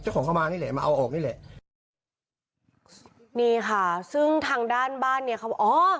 ของเข้ามานี่แหละมาเอาออกนี่แหละนี่ค่ะซึ่งทางด้านบ้านเนี้ยเขาบอกอ๋อ